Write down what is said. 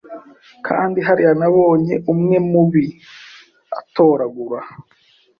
Kandi hariya nabonye umwe mubi atoragura